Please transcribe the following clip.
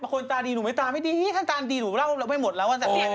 คนตาดีหนูมาให้ตาไม่ดีห้ามตาดีหนูเล่าไม่หมดแล้ว